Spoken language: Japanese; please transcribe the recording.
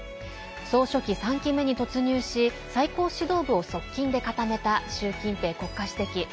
総書記３期目に突入し最高指導部を側近で固めた習近平国家主席。